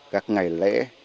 các ngày lễ